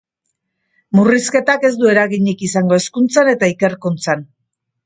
Murrizketak ez du eraginik izango hezkuntzan eta ikerkuntzan.